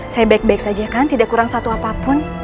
saya baik baik saja kan tidak kurang satu apapun